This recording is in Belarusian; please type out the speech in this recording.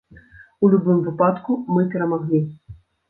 У любым выпадку мы перамаглі!